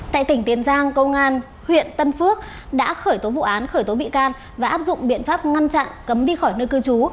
tại tỉnh tiền giang công an huyện tân phước đã khởi tố vụ án khởi tố bị can và áp dụng biện pháp ngăn chặn cấm đi khỏi nơi cư trú